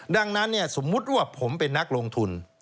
ดังนั้นสมมุติว่าผมเป็นนักลงทุน